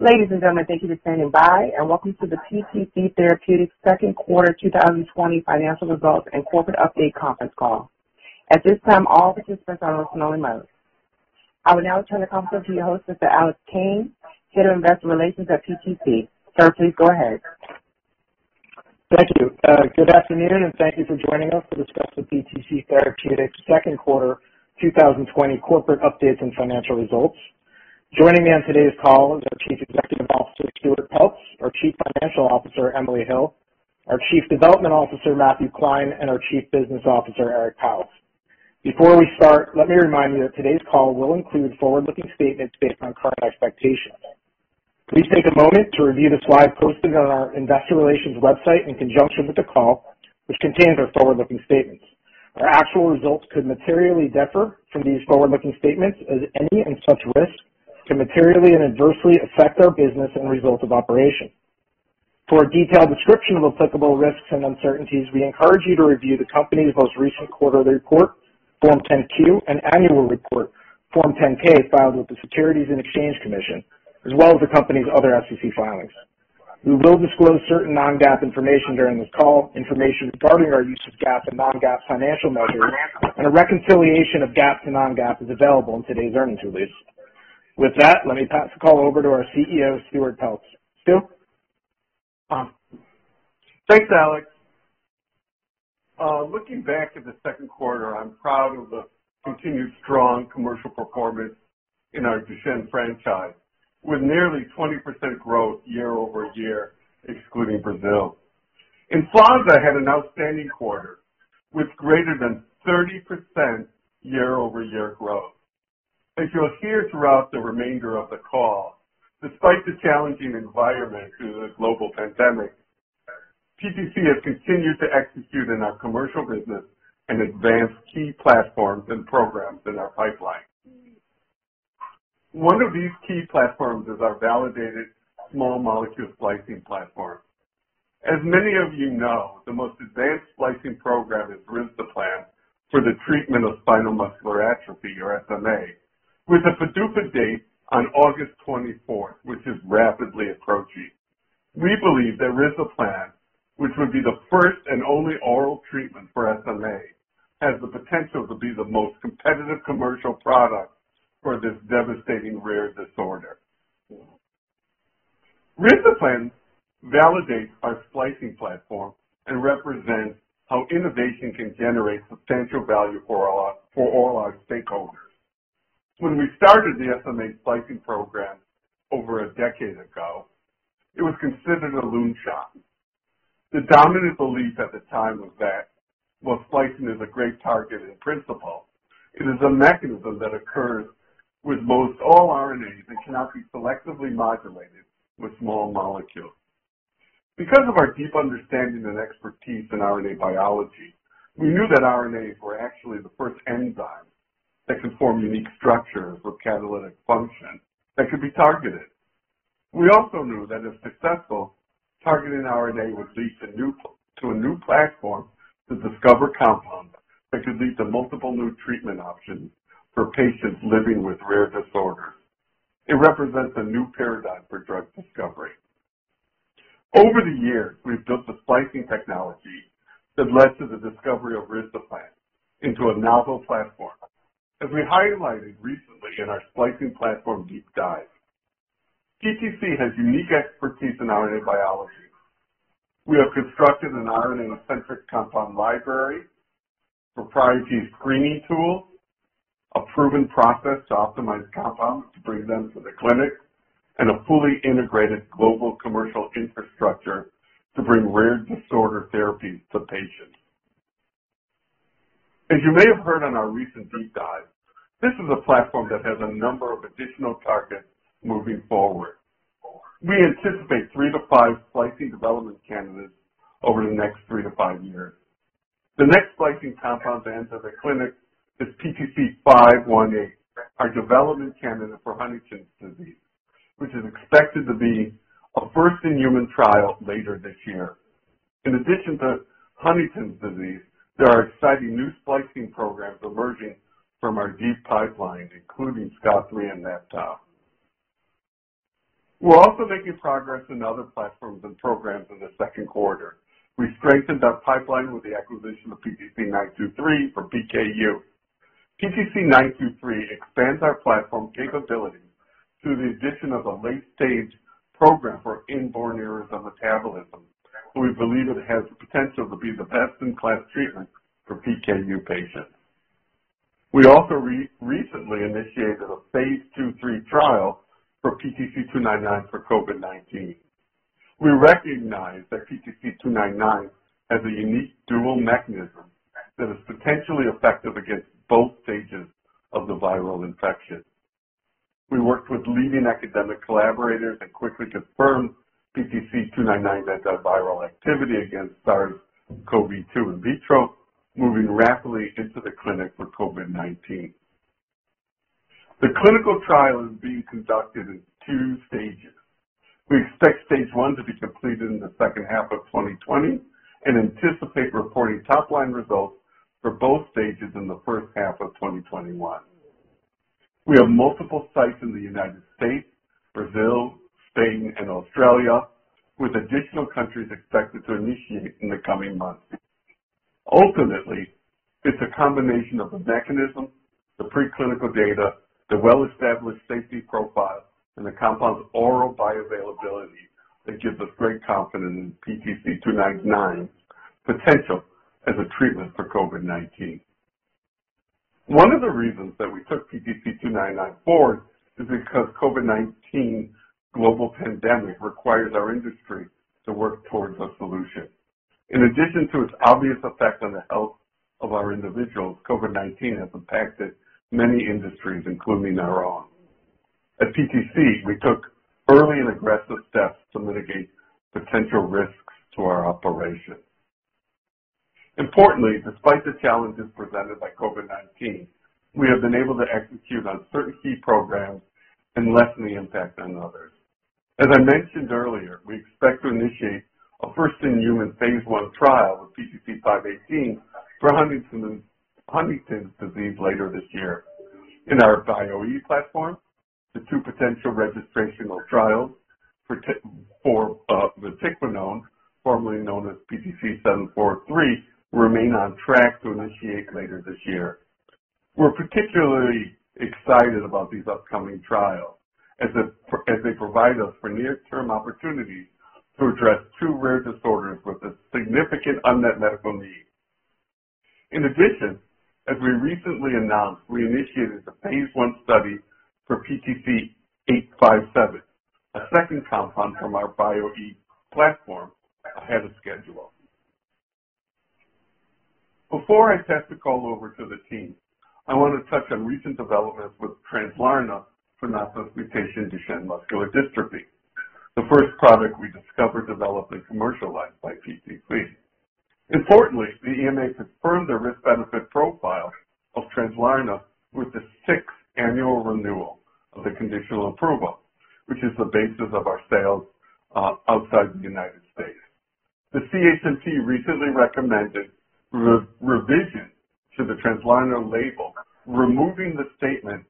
Ladies and gentlemen, thank you for standing by, and welcome to the PTC Therapeutics Second Quarter 2020 Financial Results and Corporate Update Conference Call. At this time, all participants are in listen-only mode. I would now turn the conference to your host, Mr. Alex Kane, Head of Investor Relations at PTC. Sir, please go ahead. Thank you. Good afternoon, thank you for joining us to discuss the PTC Therapeutics second quarter 2020 corporate updates and financial results. Joining me on today's call is our Chief Executive Officer, Stuart Peltz, our Chief Financial Officer, Emily Hill, our Chief Development Officer, Matthew Klein, and our Chief Business Officer, Eric Pauwels. Before we start, let me remind you that today's call will include forward-looking statements based on current expectations. Please take a moment to review the slide posted on our investor relations website in conjunction with the call, which contains our forward-looking statements. Our actual results could materially differ from these forward-looking statements, as any and such risks can materially and adversely affect our business and results of operation. For a detailed description of applicable risks and uncertainties, we encourage you to review the company's most recent quarterly report, Form 10-Q, and annual report, Form 10-K, filed with the Securities and Exchange Commission, as well as the company's other SEC filings. We will disclose certain non-GAAP information during this call, information regarding our use of GAAP and non-GAAP financial measures, and a reconciliation of GAAP to non-GAAP is available in today's earnings release. With that, let me pass the call over to our CEO, Stuart Peltz. Stu? Thanks, Alex. Looking back at the second quarter, I'm proud of the continued strong commercial performance in our Duchenne franchise, with nearly 20% growth year-over-year, excluding Brazil. EMFLAZA had an outstanding quarter, with greater than 30% year-over-year growth. As you'll hear throughout the remainder of the call, despite the challenging environment due to the global pandemic, PTC has continued to execute in our commercial business and advance key platforms and programs in our pipeline. One of these key platforms is our validated small molecule splicing platform. As many of you know, the most advanced splicing program is risdiplam for the treatment of spinal muscular atrophy, or SMA, with a PDUFA date on August 24th, which is rapidly approaching. We believe that risdiplam, which would be the first and only oral treatment for SMA, has the potential to be the most competitive commercial product for this devastating rare disorder. Risdiplam validates our splicing platform and represents how innovation can generate substantial value for all our stakeholders. When we started the SMA splicing program over a decade ago, it was considered a moonshot. The dominant belief at the time was that while splicing is a great target in principle, it is a mechanism that occurs with most all RNAs and cannot be selectively modulated with small molecules. Because of our deep understanding and expertise in RNA biology, we knew that RNAs were actually the first enzyme that could form unique structures for catalytic function that could be targeted. We also knew that if successful, targeting RNA would lead to a new platform to discover compounds that could lead to multiple new treatment options for patients living with rare disorders. It represents a new paradigm for drug discovery. Over the years, we've built the splicing technology that led to the discovery of risdiplam into a novel platform. As we highlighted recently in our splicing platform deep dive, PTC has unique expertise in RNA biology. We have constructed an RNA-centric compound library, proprietary screening tools, a proven process to optimize compounds to bring them to the clinic, and a fully integrated global commercial infrastructure to bring rare disorder therapies to patients. As you may have heard on our recent deep dive, this is a platform that has a number of additional targets moving forward. We anticipate three to five splicing development candidates over the next three-five years. The next splicing compound to enter the clinic is PTC518, our development candidate for Huntington's disease, which is expected to be a first-in-human trial later this year. In addition to Huntington's disease, there are exciting new splicing programs emerging from our deep pipeline, including SCOUT and NETO. We're also making progress in other platforms and programs in the second quarter. We strengthened our pipeline with the acquisition of PTC923 for PKU. PTC923 expands our platform capability through the addition of a late-stage program for inborn errors of metabolism, where we believe it has the potential to be the best-in-class treatment for PKU patients. We also recently initiated a phase II/III trial for PTC299 for COVID-19. We recognize that PTC299 has a unique dual mechanism that is potentially effective against both stages of the viral infection. We worked with leading academic collaborators and quickly confirmed PTC299's antiviral activity against SARS-CoV-2 in vitro, moving rapidly into the clinic for COVID-19. The clinical trial is being conducted in two stages. We expect stage one to be completed in the second half of 2020 and anticipate reporting top-line results for both stages in the first half of 2021. We have multiple sites in the U.S., Brazil, Spain, and Australia, with additional countries expected to initiate in the coming months. Ultimately, it's a combination of the mechanism, the pre-clinical data, the well-established safety profile, and the compound's oral bioavailability that gives us great confidence in PTC299's potential as a treatment for COVID-19. One of the reasons that we took PTC299 forward is because COVID-19 global pandemic requires our industry to work towards a solution. In addition to its obvious effect on the health of our individuals, COVID-19 has impacted many industries, including our own. At PTC, we took early and aggressive steps to mitigate potential risks to our operations. Despite the challenges presented by COVID-19, we have been able to execute on certain key programs and lessen the impact on others. As I mentioned earlier, we expect to initiate a first-in-human phase I trial with PTC518 for Huntington's disease later this year. In our Bio-E platform, the two potential registrational trials for vatiquinone, formerly known as PTC-743, remain on track to initiate later this year. We're particularly excited about these upcoming trials as they provide us for near-term opportunities to address two rare disorders with a significant unmet medical need. In addition, as we recently announced, we initiated a phase I study for PTC-857, a second compound from our Bio-E platform, ahead of schedule. Before I pass the call over to the team, I want to touch on recent developments with Translarna for nonsense mutation Duchenne muscular dystrophy, the first product we discovered, developed, and commercialized by PTC. Importantly, the EMA confirmed the risk-benefit profile of Translarna with the sixth annual renewal of the conditional approval, which is the basis of our sales outside the U.S. The CHMP recently recommended revision to the Translarna label, removing the statement,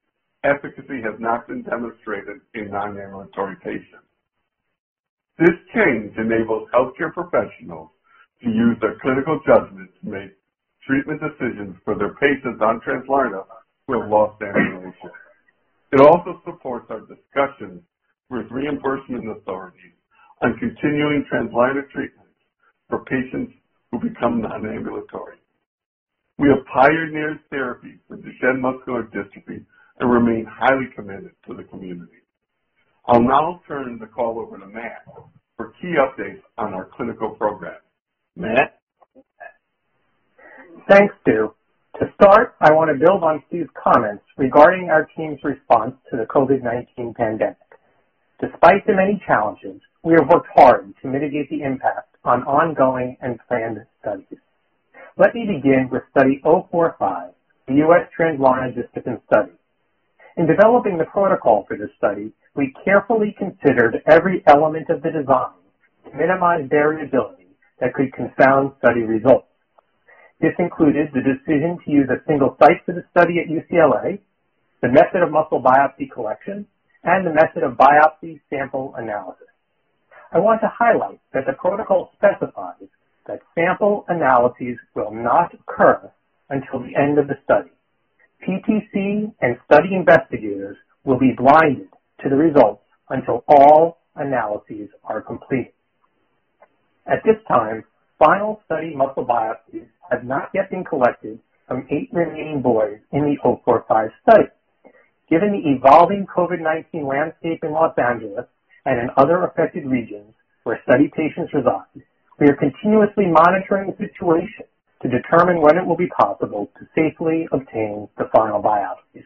"Efficacy has not been demonstrated in non-ambulatory patients." This change enables healthcare professionals to use their clinical judgment to make treatment decisions for their patients on Translarna who have lost ambulation. It also supports our discussions with reimbursement authorities on continuing Translarna treatments for patients who become non-ambulatory. We have pioneered therapy for Duchenne muscular dystrophy and remain highly committed to the community. I'll now turn the call over to Matt for key updates on our clinical programs. Matt? Thanks, Stu. To start, I want to build on Stu's comments regarding our team's response to the COVID-19 pandemic. Despite the many challenges, we have worked hard to mitigate the impact on ongoing and planned studies. Let me begin with Study 045, the U.S. Translarna dystrophin study. In developing the protocol for this study, we carefully considered every element of the design to minimize variability that could confound study results. This included the decision to use a single site for the study at UCLA, the method of muscle biopsy collection, and the method of biopsy sample analysis. I want to highlight that the protocol specifies that sample analyses will not occur until the end of the study. PTC and study investigators will be blinded to the results until all analyses are complete. At this time, final study muscle biopsies have not yet been collected from eight remaining boys in the Study 045. Given the evolving COVID-19 landscape in Los Angeles and in other affected regions where study patients reside, we are continuously monitoring the situation to determine when it will be possible to safely obtain the final biopsies.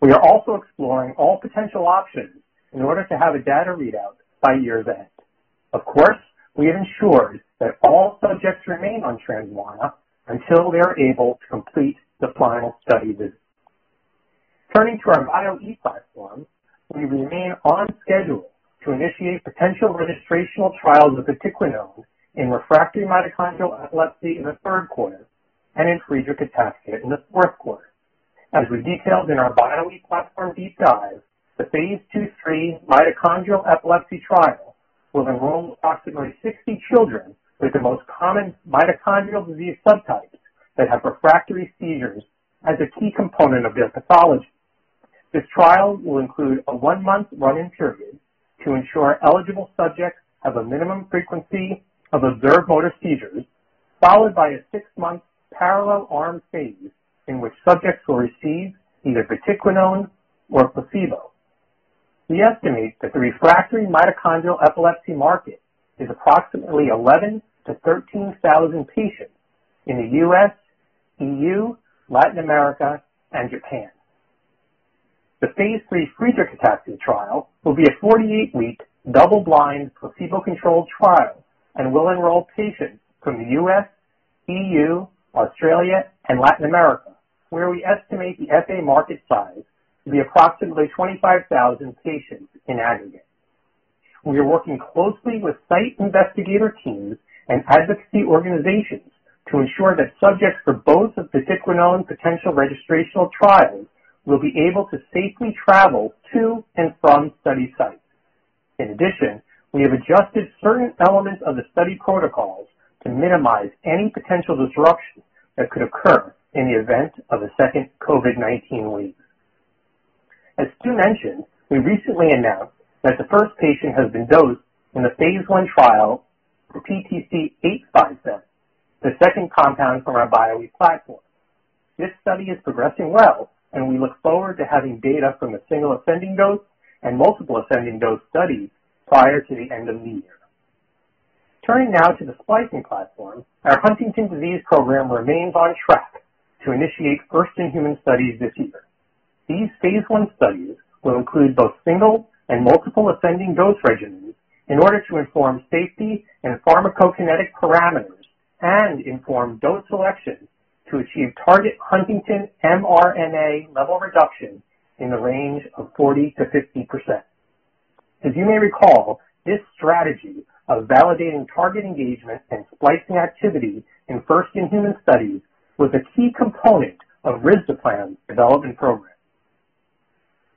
We are also exploring all potential options in order to have a data readout by year's end. Of course, we have ensured that all subjects remain on Translarna until they are able to complete the final study visit. Turning to our Bio-e platform, we remain on schedule to initiate potential registrational trials of vatiquinone in refractory mitochondrial epilepsy in the third quarter and in Friedreich ataxia in the fourth quarter. As we detailed in our Bio-E platform deep dive, the phase II/III mitochondrial epilepsy trial will enroll approximately 60 children with the most common mitochondrial disease subtypes that have refractory seizures as a key component of their pathology. This trial will include a one-month run-in period to ensure eligible subjects have a minimum frequency of observed motor seizures, followed by a six-month parallel arm phase in which subjects will receive either vatiquinone or a placebo. We estimate that the refractory mitochondrial epilepsy market is approximately 11,000-13,000 patients in the U.S., EU, Latin America, and Japan. The phase III Friedreich ataxia trial will be a 48-week, double-blind, placebo-controlled trial and will enroll patients from the U.S., EU, Australia, and Latin America, where we estimate the FA market size to be approximately 25,000 patients in aggregate. We are working closely with site investigator teams and advocacy organizations to ensure that subjects for both of pacritinib potential registrational trials will be able to safely travel to and from study sites. In addition, we have adjusted certain elements of the study protocols to minimize any potential disruption that could occur in the event of a second COVID-19 wave. As Stu mentioned, we recently announced that the first patient has been dosed in the phase I trial for PTC-857, the second compound from our BioE platform. This study is progressing well and we look forward to having data from a single ascending dose and multiple ascending dose studies prior to the end of the year. Turning now to the splicing platform, our Huntington's disease program remains on track to initiate first-in-human studies this year. These phase I studies will include both single and multiple ascending dose regimens in order to inform safety and pharmacokinetic parameters and inform dose selection to achieve target Huntingtin mRNA level reduction in the range of 40%-50%. As you may recall, this strategy of validating target engagement and splicing activity in first-in-human studies was a key component of risdiplam's development program.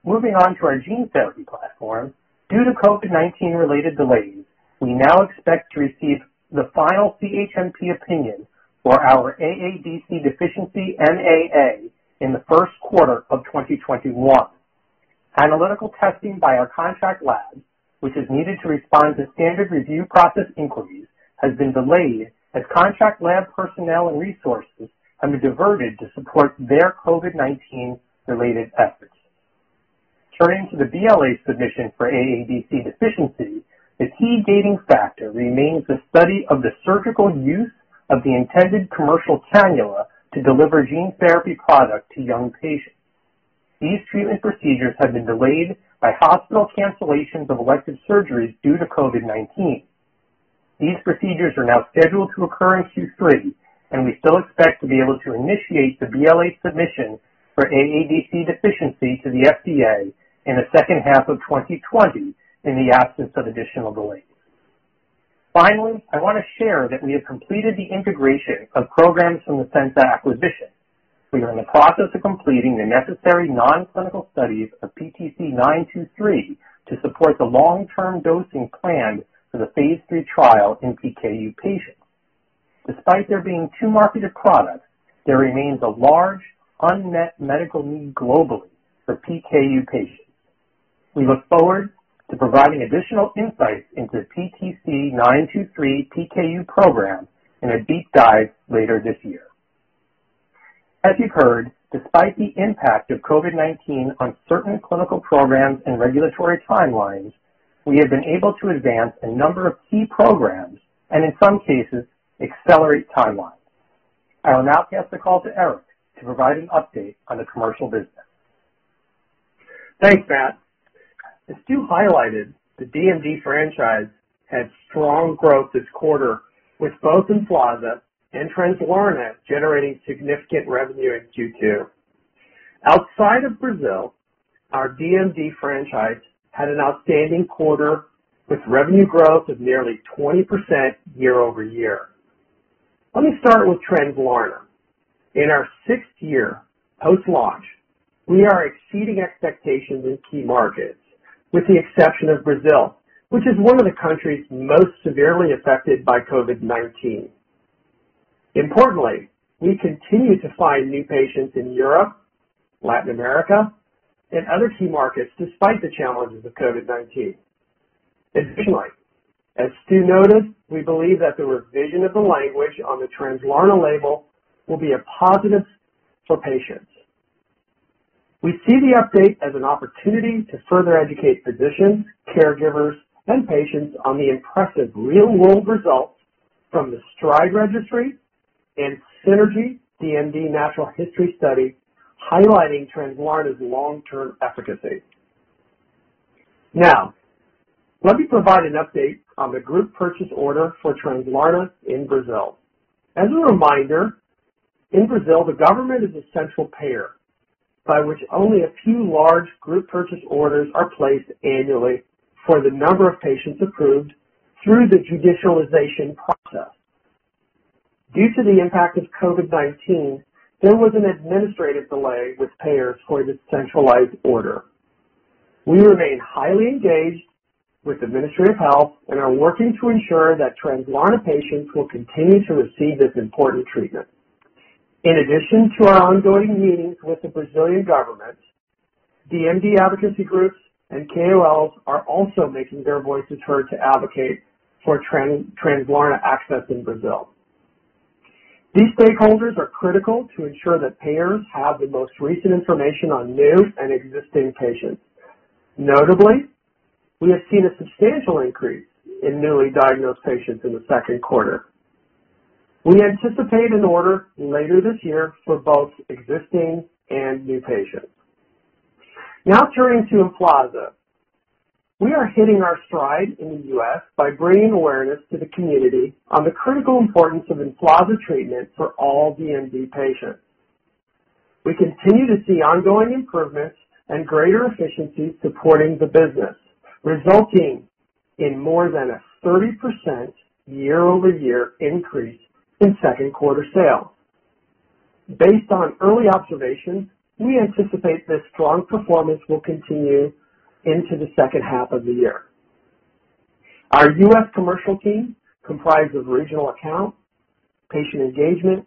Moving on to our gene therapy platform, due to COVID-19 related delays, we now expect to receive the final CHMP opinion for our AADC deficiency MAA in the first quarter of 2021. Analytical testing by our contract lab, which is needed to respond to standard review process inquiries, has been delayed as contract lab personnel and resources have been diverted to support their COVID-19 related efforts. Turning to the BLA submission for AADC deficiency, the key gating factor remains the study of the surgical use of the intended commercial cannula to deliver gene therapy product to young patients. These treatment procedures have been delayed by hospital cancellations of elective surgeries due to COVID-19. These procedures are now scheduled to occur in Q3. We still expect to be able to initiate the BLA submission for AADC deficiency to the FDA in the second half of 2020 in the absence of additional delays. Finally, I want to share that we have completed the integration of programs from the Censa acquisition. We are in the process of completing the necessary non-clinical studies of PTC-923 to support the long-term dosing plan for the phase III trial in PKU patients. Despite there being two marketed products, there remains a large unmet medical need globally for PKU patients. We look forward to providing additional insights into PTC923 PKU program in a deep dive later this year. As you've heard, despite the impact of COVID-19 on certain clinical programs and regulatory timelines, we have been able to advance a number of key programs and, in some cases, accelerate timelines. I will now pass the call to Eric to provide an update on the commercial business. Thanks, Matt. As Stu highlighted, the DMD franchise had strong growth this quarter with both EMFLAZA and Translarna generating significant revenue in Q2. Outside of Brazil, our DMD franchise had an outstanding quarter with revenue growth of nearly 20% year-over-year. Let me start with Translarna. In our sixth year post-launch, we are exceeding expectations in key markets, with the exception of Brazil, which is one of the countries most severely affected by COVID-19. Importantly, we continue to find new patients in Europe, Latin America, and other key markets despite the challenges of COVID-19. Additionally, as Stu noted, we believe that the revision of the language on the Translarna label will be a positive for patients. We see the update as an opportunity to further educate physicians, caregivers, and patients on the impressive real-world results from the STRIDE registry and SYNERGY-DMD natural history study highlighting Translarna's long-term efficacy. Let me provide an update on the group purchase order for Translarna in Brazil. As a reminder, in Brazil, the government is a central payer, by which only a few large group purchase orders are placed annually for the number of patients approved through the judicialization process. Due to the impact of COVID-19, there was an administrative delay with payers for this centralized order. We remain highly engaged with the Ministry of Health and are working to ensure that Translarna patients will continue to receive this important treatment. In addition to our ongoing meetings with the Brazilian government, DMD advocacy groups and KOLs are also making their voices heard to advocate for Translarna access in Brazil. These stakeholders are critical to ensure that payers have the most recent information on new and existing patients. Notably, we have seen a substantial increase in newly diagnosed patients in the second quarter. We anticipate an order later this year for both existing and new patients. Now turning to EMFLAZA. We are hitting our stride in the U.S. by bringing awareness to the community on the critical importance of EMFLAZA treatment for all DMD patients. We continue to see ongoing improvements and greater efficiency supporting the business, resulting in more than a 30% year-over-year increase in second quarter sales. Based on early observations, we anticipate this strong performance will continue into the second half of the year. Our U.S. commercial team, comprised of regional account, patient engagement,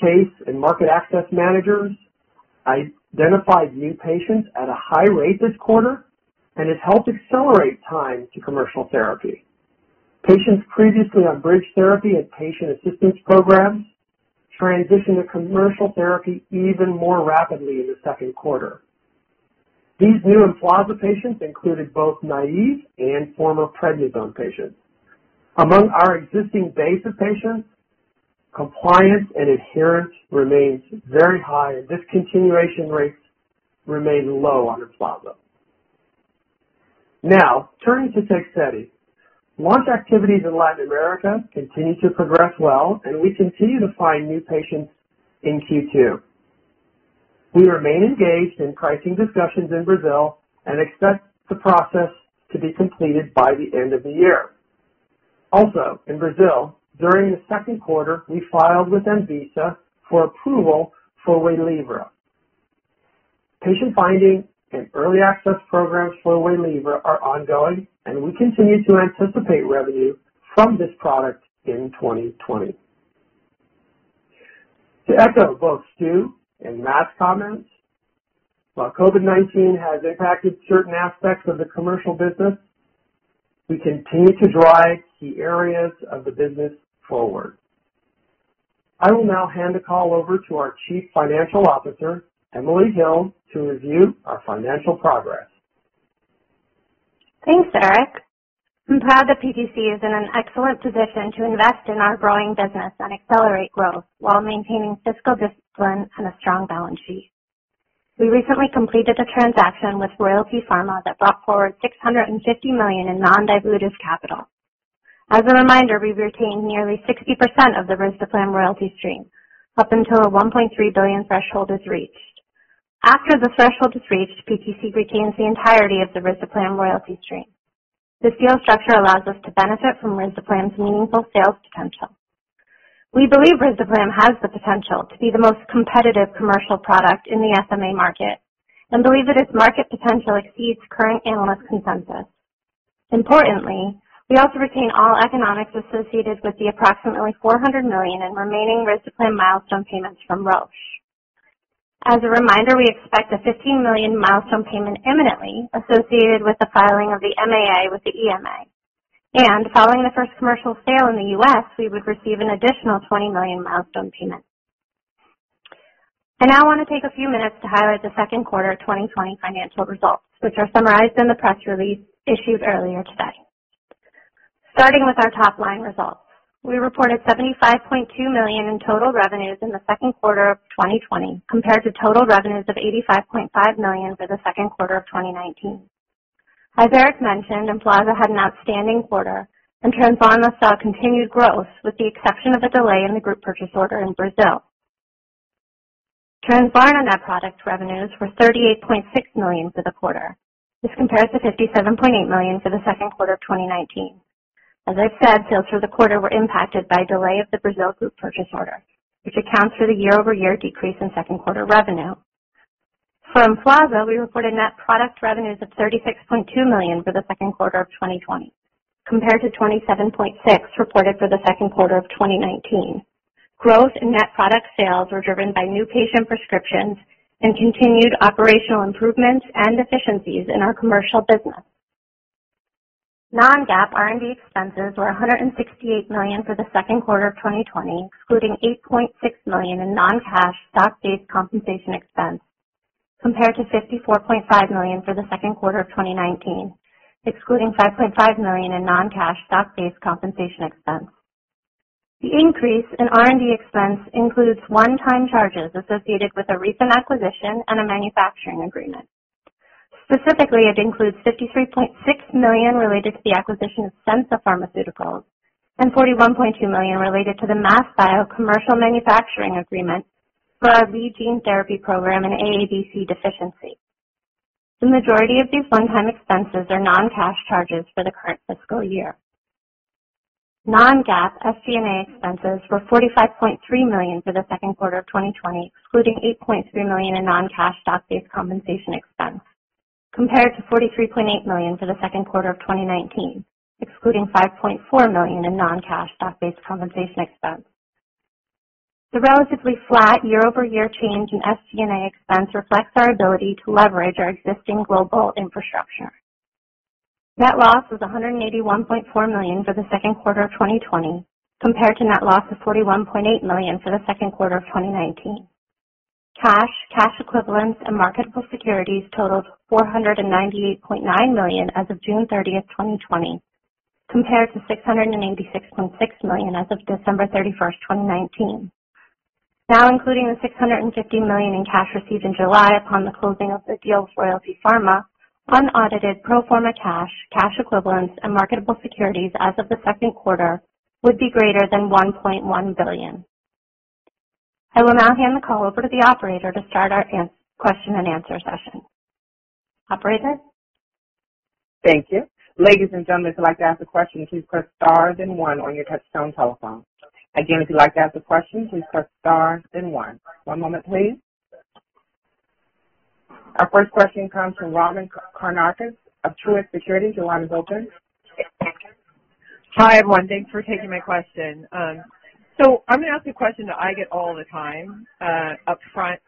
case, and market access managers, identified new patients at a high rate this quarter and has helped accelerate time to commercial therapy. Patients previously on bridge therapy and patient assistance programs transitioned to commercial therapy even more rapidly in the second quarter. These new EMFLAZA patients included both naive and former prednisone patients. Among our existing base of patients, compliance and adherence remains very high, and discontinuation rates remain low on EMFLAZA. Turning to Tegsedi. Launch activities in Latin America continue to progress well, and we continue to find new patients in Q2. We remain engaged in pricing discussions in Brazil and expect the process to be completed by the end of the year. In Brazil, during the second quarter, we filed with ANVISA for approval for Waylivra. Patient finding and early access programs for Waylivra are ongoing, and we continue to anticipate revenue from this product in 2020. To echo both Stu and Matt's comments, while COVID-19 has impacted certain aspects of the commercial business, we continue to drive key areas of the business forward. I will now hand the call over to our Chief Financial Officer, Emily Hill, to review our financial progress. Thanks, Eric. I'm proud that PTC is in an excellent position to invest in our growing business and accelerate growth while maintaining fiscal discipline and a strong balance sheet. We recently completed the transaction with Royalty Pharma that brought forward $650 million in non-dilutive capital. As a reminder, we retain nearly 60% of the risdiplam royalty stream up until a $1.3 billion threshold is reached. After the threshold is reached, PTC retains the entirety of the risdiplam royalty stream. This deal structure allows us to benefit from risdiplam's meaningful sales potential. We believe risdiplam has the potential to be the most competitive commercial product in the SMA market and believe that its market potential exceeds current analyst consensus. We also retain all economics associated with the approximately $400 million in remaining risdiplam milestone payments from Roche. As a reminder, we expect a $15 million milestone payment imminently associated with the filing of the MAA with the EMA. Following the first commercial sale in the U.S., we would receive an additional $20 million milestone payment. I now want to take a few minutes to highlight the second quarter 2020 financial results, which are summarized in the press release issued earlier today. Starting with our top-line results, we reported $75.2 million in total revenues in the second quarter of 2020, compared to total revenues of $85.5 million for the second quarter of 2019. As Eric mentioned, EMFLAZA had an outstanding quarter, and Translarna saw continued growth, with the exception of a delay in the group purchase order in Brazil. Translarna net product revenues were $38.6 million for the quarter. This compares to $57.8 million for the second quarter of 2019. As I've said, sales for the quarter were impacted by a delay of the Brazil group purchase order, which accounts for the year-over-year decrease in second quarter revenue. For Emflaza, we reported net product revenues of $36.2 million for the second quarter of 2020, compared to $27.6 reported for the second quarter of 2019. Growth in net product sales were driven by new patient prescriptions and continued operational improvements and efficiencies in our commercial business. Non-GAAP R&D expenses were $168 million for the second quarter of 2020, excluding $8.6 million in non-cash stock-based compensation expense, compared to $54.5 million for the second quarter of 2019, excluding $5.5 million in non-cash stock-based compensation expense. The increase in R&D expense includes one-time charges associated with a recent acquisition and a manufacturing agreement. Specifically, it includes $53.6 million related to the acquisition of Censa Pharmaceuticals and $41.2 million related to the MassBio commercial manufacturing agreement for our lead gene therapy program in AADC deficiency. The majority of these one-time expenses are non-cash charges for the current fiscal year. Non-GAAP SG&A expenses were $45.3 million for the second quarter of 2020, excluding $8.3 million in non-cash stock-based compensation expense, compared to $43.8 million for the second quarter of 2019, excluding $5.4 million in non-cash stock-based compensation expense. The relatively flat year-over-year change in SG&A expense reflects our ability to leverage our existing global infrastructure. Net loss was $181.4 million for the second quarter of 2020, compared to net loss of $41.8 million for the second quarter of 2019. Cash, cash equivalents, and marketable securities totaled $498.9 million as of June 30th, 2020, compared to $686.6 million as of December 31st, 2019. Including the $650 million in cash received in July upon the closing of the deal with Royalty Pharma, unaudited pro forma cash equivalents, and marketable securities as of the second quarter would be greater than $1.1 billion. I will now hand the call over to the operator to start our question and answer session. Operator? Thank you. Ladies and gentlemen, if you'd like to ask a question, please press star then one on your touch-tone telephone. Again, if you'd like to ask a question, please press star then one. One moment please. Our first question comes from Robyn Karnauskas of Truist Securities. Your line is open. Hi, everyone. Thanks for taking my question. I'm going to ask a question that I get all the time upfront.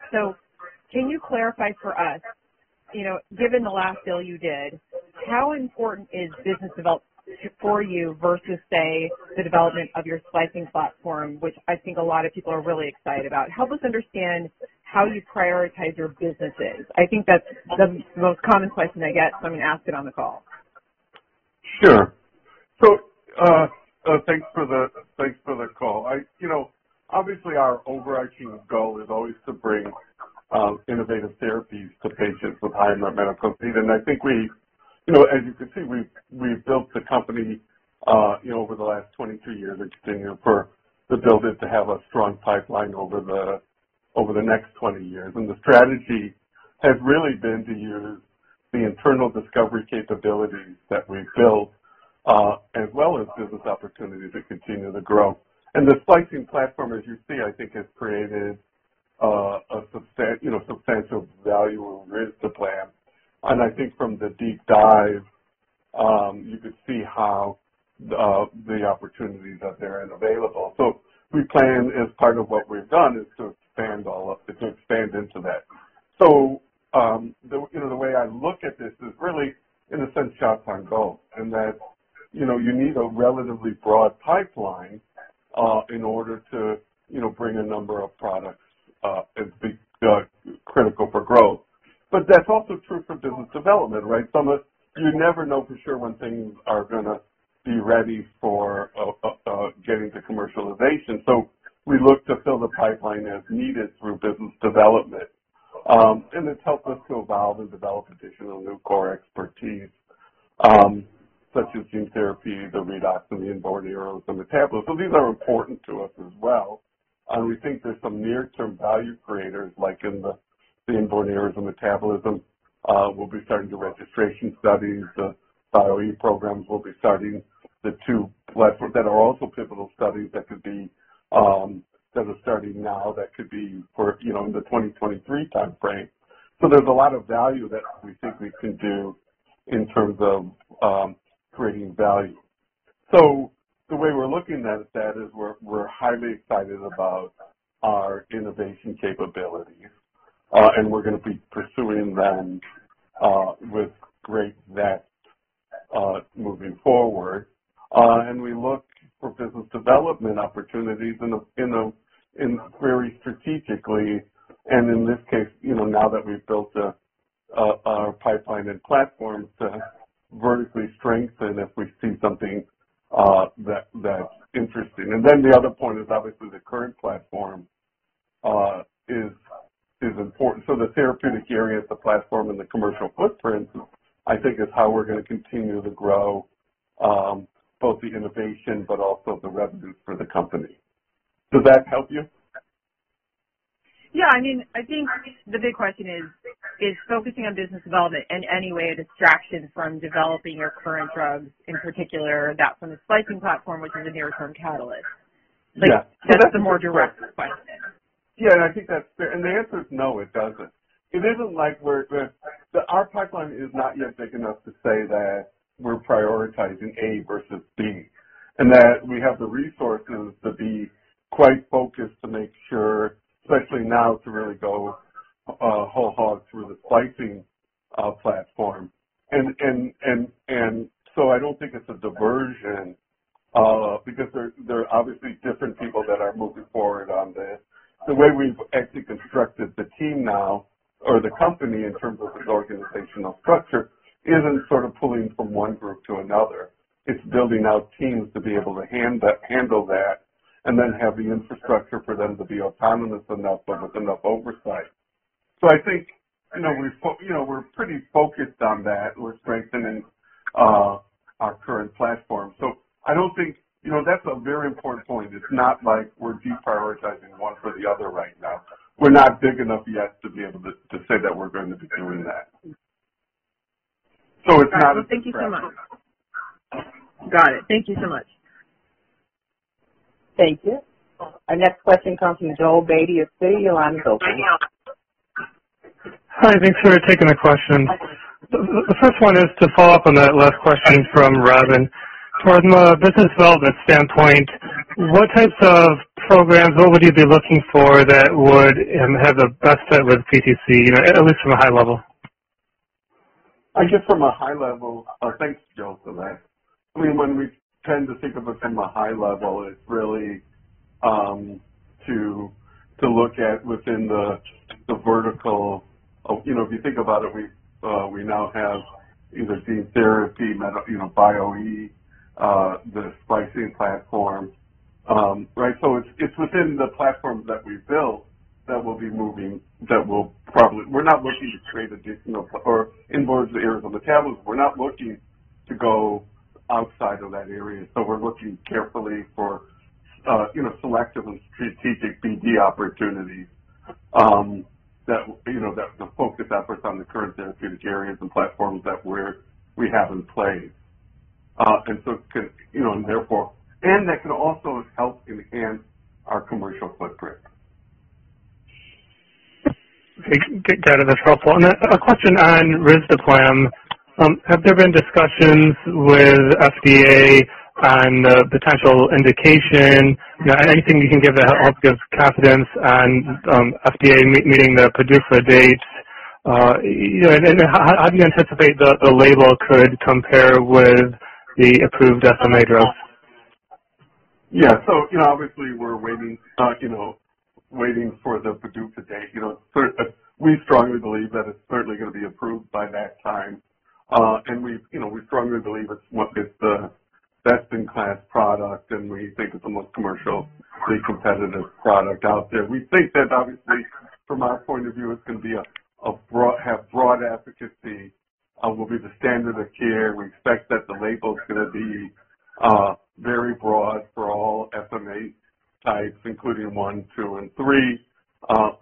Can you clarify for us, given the last deal you did, how important is business development for you versus, say, the development of your splicing platform, which I think a lot of people are really excited about? Help us understand how you prioritize your businesses. I think that's the most common question I get, so I'm going to ask it on the call. Sure. Thanks for the call. Obviously, our overarching goal is always to bring innovative therapies to patients with high medical need. I think as you can see, we've built the company over the last 22 years and continue to build it to have a strong pipeline over the next 20 years. The strategy has really been to use the internal discovery capabilities that we've built, as well as business opportunities that continue to grow. The splicing platform, as you see, I think, has created a substantial value and risk to plan. I think from the deep dive, you could see the opportunities that are there and available. We plan as part of what we've done is to expand into that. The way I look at this is really in a sense shots on goal, and that you need a relatively broad pipeline in order to bring a number of products. It'd be critical for growth. That's also true for business development, right? You never know for sure when things are going to be ready for getting to commercialization. We look to fill the pipeline as needed through business development. It's helped us to evolve and develop additional new core expertise, such as gene therapy, the redox, the inborn errors, and metabolism. These are important to us as well, and we think there's some near-term value creators, like in the inborn errors and metabolism. We'll be starting the registration studies. The Bio-e programs will be starting the two platforms that are also pivotal studies that are starting now, that could be in the 2023 timeframe. There's a lot of value that we think we can do in terms of creating value. The way we're looking at that is we're highly excited about our innovation capabilities, and we're going to be pursuing them with great zest moving forward. We look for business development opportunities very strategically and in this case, now that we've built our pipeline and platform to vertically strengthen if we see something that's interesting. Then the other point is obviously the current platform is important. The therapeutic areas, the platform, and the commercial footprint, I think, is how we're going to continue to grow both the innovation but also the revenues for the company. Does that help you? Yeah. I think the big question is focusing on business development in any way a distraction from developing your current drugs, in particular that splicing platform, which is a near-term catalyst? Yeah. That's a more direct question. Yeah, I think that's fair. The answer is no, it doesn't. Our pipeline is not yet big enough to say that we're prioritizing A versus B, and that we have the resources to be quite focused to make sure, especially now, to really go whole hog through the splicing platform. I don't think it's a diversion, because there are obviously different people that are moving forward on this. The way we've actually constructed the team now or the company in terms of its organizational structure, isn't sort of pulling from one group to another. It's building out teams to be able to handle that and then have the infrastructure for them to be autonomous enough, but with enough oversight. I think we're pretty focused on that. We're strengthening our current platform. That's a very important point. It's not like we're deprioritizing one for the other right now. We're not big enough yet to be able to say that we're going to be doing that. It's not a distraction. Thank you so much. Got it. Thank you so much. Thank you. Our next question comes from Joel Beatty of Citi. Your line is open. Hi, thanks for taking the question. The first one is to follow up on that last question from Robyn. From a business development standpoint, what types of programs, what would you be looking for that would have the best fit with PTC, at least from a high level? I guess from a high level. Oh, thanks, Joel, for that. When we tend to think of it from a high level, it's really to look at within the vertical. If you think about it, we now have either gene therapy, Bio-e, the splicing platform. It's within the platforms that we've built that we'll be moving. We're not looking to trade additional or in both areas of metabolism. We're not looking to go outside of that area. We're looking carefully for selective and strategic BD opportunities that focus efforts on the current therapeutic areas and platforms that we have in play. That can also help enhance our commercial footprint. Okay. Got it. That's helpful. A question on risdiplam. Have there been discussions with FDA on the potential indication? Anything you can give that gives confidence on FDA meeting their PDUFA date? How do you anticipate the label could compare with the approved SMA drug? Obviously, we're waiting for the PDUFA date. We strongly believe that it's certainly going to be approved by that time. We strongly believe it's the best-in-class product, and we think it's the most commercially competitive product out there. We think that obviously, from our point of view, it's going to have broad efficacy, will be the standard of care. We expect that the label is going to be very broad for all SMA types, including one, two, and three.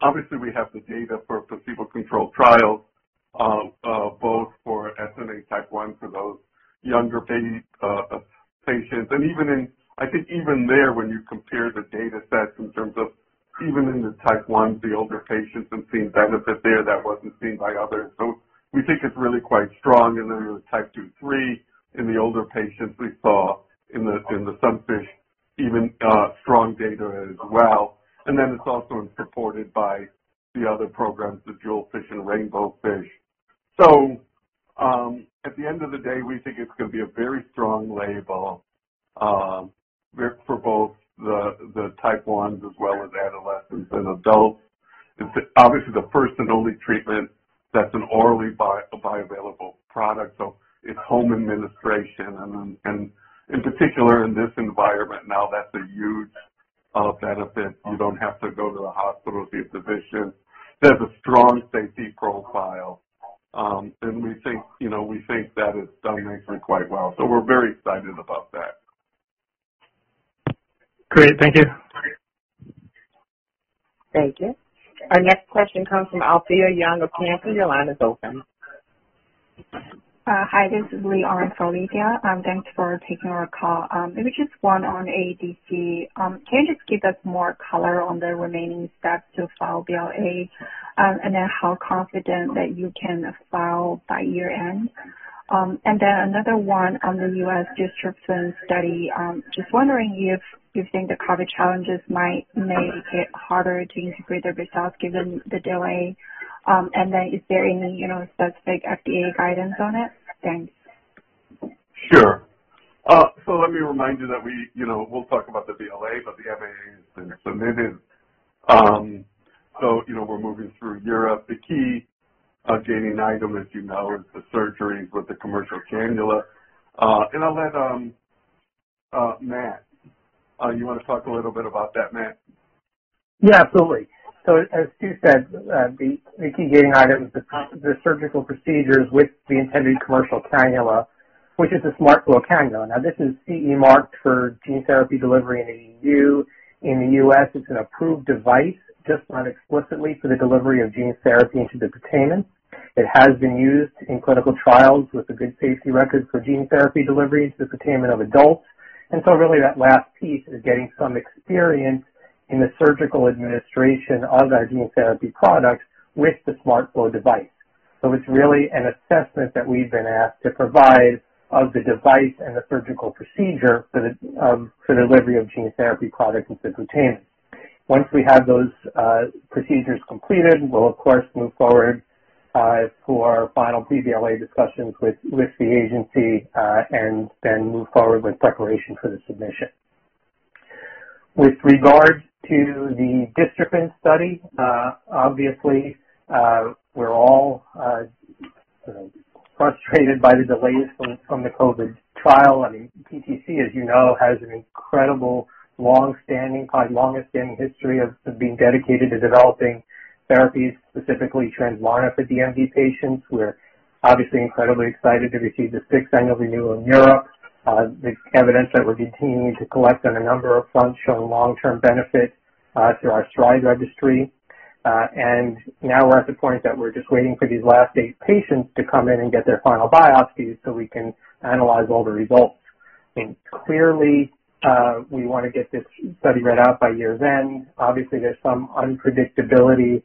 Obviously, we have the data for placebo-controlled trials, both for SMA Type 1 for those younger baby patients. I think even there, when you compare the data sets in terms of even in the Type 1, the older patients have seen benefit there that wasn't seen by others. We think it's really quite strong. With Type 2 and 3 in the older patients, we saw in the SUNFISH even strong data as well. It's also supported by the other programs, the JEWELFISH and RAINBOWFISH. At the end of the day, we think it's going to be a very strong label, for both the Type 1s as well as adolescents and adults. It's obviously the first and only treatment that's an orally bioavailable product, so it's home administration. In particular, in this environment now, that's a huge benefit. You don't have to go to the hospital to see a physician. There's a strong safety profile. We think that it's done quite well. We're very excited about that. Great. Thank you. Thank you. Our next question comes from Alethia Young of Cantor. Your line is open. Hi, this is Li on for Alethia. Thanks for taking our call. Maybe just one on AADC. Can you just give us more color on the remaining steps to file BLA, how confident that you can file by year-end? Another one on the U.S. dystrophin study. Just wondering if you think the COVID challenges might make it harder to integrate the results given the delay. Is there any specific FDA guidance on it? Thanks. Sure. Let me remind you that we'll talk about the BLA, but the MAA has been submitted. We're moving through Europe. The key gating item, as you know, is the surgeries with the commercial cannula. I'll let Matt. You want to talk a little bit about that, Matt? Yeah, absolutely. As Stu said, the key gating item is the surgical procedures with the intended commercial cannula, which is a SmartFlow cannula. This is CE marked for gene therapy delivery in the EU. In the U.S., it's an approved device, just not explicitly for the delivery of gene therapy into the subthalamus. It has been used in clinical trials with a good safety record for gene therapy delivery into the subthalamus of adults. Really that last piece is getting some experience in the surgical administration of the gene therapy product with the SmartFlow device. It's really an assessment that we've been asked to provide of the device and the surgical procedure for the delivery of gene therapy product into subthalamus. Once we have those procedures completed, we will of course move forward for final BLA discussions with the agency, then move forward with preparation for the submission. With regards to the dystrophin study, obviously, we are all frustrated by the delays from the COVID-19 trial. I mean, PTC, as you know, has an incredible, long-standing history of being dedicated to developing therapies, specifically Translarna DMD patients. We are obviously incredibly excited to receive the six-month renewal in Europe. The evidence that we are continuing to collect on a number of fronts show long-term benefit through our STRIDE registry. Now we are at the point that we are just waiting for these last eight patients to come in and get their final biopsies so we can analyze all the results. I mean, clearly, we want to get this study read out by year's end. There's some unpredictability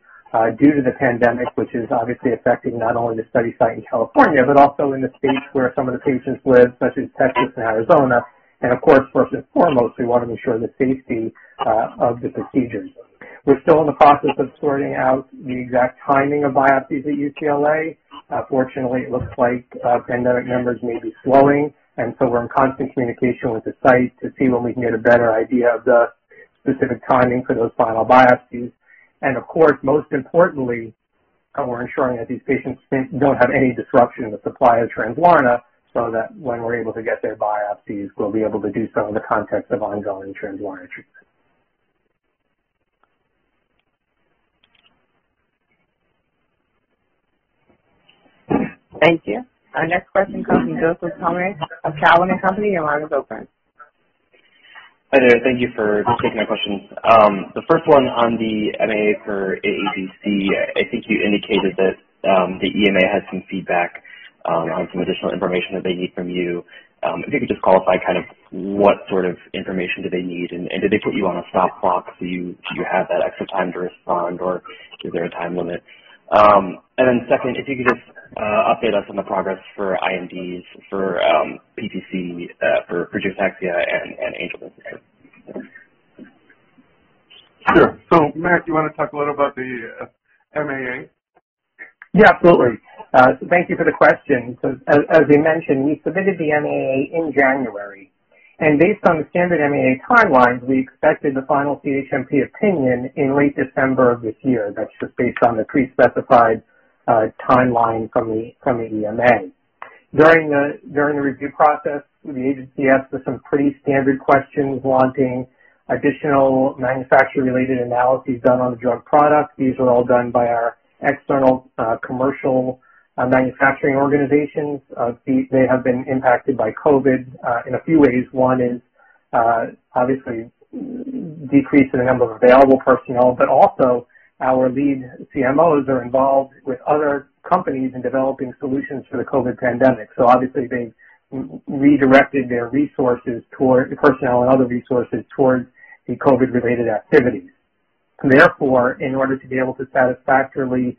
due to the pandemic, which is obviously affecting not only the study site in California, but also in the states where some of the patients live, such as Texas and Arizona. Of course, first and foremost, we want to ensure the safety of the procedures. We're still in the process of sorting out the exact timing of biopsies at UCLA. Fortunately, it looks like pandemic numbers may be slowing, we're in constant communication with the site to see when we can get a better idea of the specific timing for those final biopsies. Of course, most importantly, we're ensuring that these patients don't have any disruption in the supply of Translarna, that when we're able to get their biopsies, we'll be able to do so in the context of ongoing Translarna treatment. Thank you. Our next question comes from Joseph Thome of Cowen and Company. Your line is open. Hi there. Thank you for taking my questions. The first one on the MAA for AADC. I think you indicated that the EMA had some feedback on some additional information that they need from you. If you could just qualify what sort of information do they need, and did they put you on a stop clock so you have that extra time to respond, or is there a time limit? Second, if you could just update us on the progress for INDs for PTC, for Friedreich ataxia and Angelman syndrome. Sure. Matt, do you want to talk a little about the MAA? Yeah, absolutely. Thank you for the question. As we mentioned, we submitted the MAA in January, and based on the standard MAA timelines, we expected the final CHMP opinion in late December of this year. That's just based on the pre-specified timeline from the EMA. During the review process, the agency asked us some pretty standard questions wanting additional manufacturer-related analyses done on the drug product. These were all done by our external commercial manufacturing organizations. They have been impacted by COVID in a few ways. One is obviously decrease in the number of available personnel, but also our lead CMOs are involved with other companies in developing solutions for the COVID pandemic. Obviously they've redirected their personnel and other resources towards the COVID-related activities. In order to be able to satisfactorily